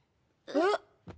えっ？